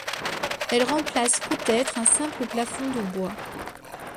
Elles remplacent peut-être un simple plafond de bois.